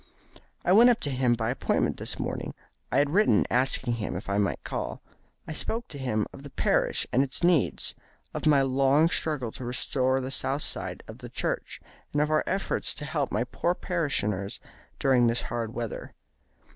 "I went up to him by appointment this morning. I had written asking him if I might call. I spoke to him of the parish and its needs, of my long struggle to restore the south side of the church, and of our efforts to help my poor parishioners during this hard weather.